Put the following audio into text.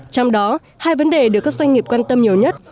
trong đó hai vấn đề được các doanh nghiệp quan tâm nhiều nhất